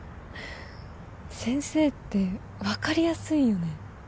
先生って分かりやすいよね。